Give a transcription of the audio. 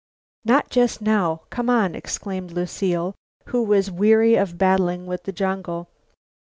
"Not just now; come on," exclaimed Lucile, who was weary of battling with the jungle.